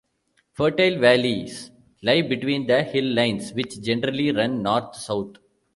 Fertile valleys lie between the hill lines, which generally run north-south.